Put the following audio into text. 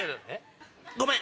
ごめん！